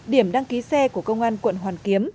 điểm đăng ký xe của công an quận hoàn kiếm